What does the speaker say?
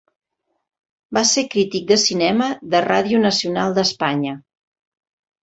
Va ser crític de cinema de Ràdio Nacional d'Espanya.